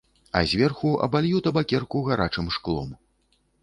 А зверху абалью табакерку гарачым шклом.